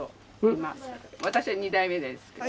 私は２代目ですけど。